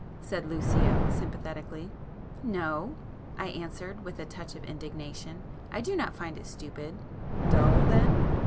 said Lucio sympathetically. "No," I answered with a touch of indignation—"I do not find it stupid." "Dull then?"